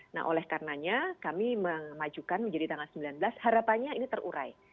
nah oleh karenanya kami memajukan menjadi tanggal sembilan belas harapannya ini terurai